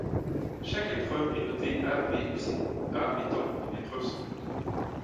Chaque épreuve est notée A, B ou C, A étant une épreuve sans faute.